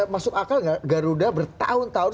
masuk akal nggak garuda bertahun tahun